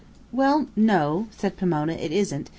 "Well, no," said Pomona, "it isn't.